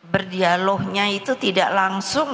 berdialognya itu tidak langsung